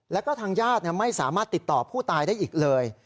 แล้วก็ทางญาติไม่สามารถติดต่อผู้ตายได้อีกเลย